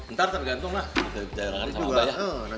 ntar tergantung lah